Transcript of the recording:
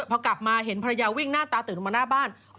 พอกลับมาเห็นภรรยาวิ่งหน้าตาตื่นออกมาหน้าบ้าน